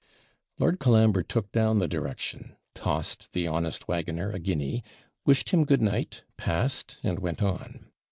Lord Colambre took down the direction, tossed the honest waggoner a guinea, wished him good night, passed, and went on.